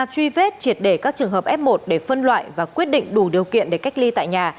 truy vết triệt để các trường hợp f một để phân loại và quyết định đủ điều kiện để cách ly tại nhà